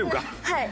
はい。